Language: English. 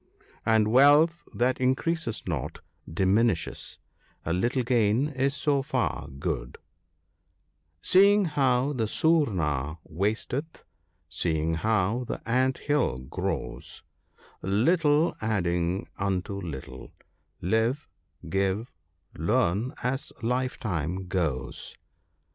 And wealth that increases not, diminishes — a little gain is so far good — 41 Seeing how the soorma ( w ) wasteth, seeing how the ant hill grows ( 49 ), Little adding unto little — live, give, learn, as life time goes."